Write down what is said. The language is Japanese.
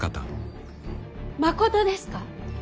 まことですか。